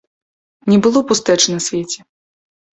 Не было пустэчы на свеце.